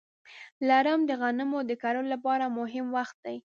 لړم د غنمو د کرلو لپاره مهم وخت دی.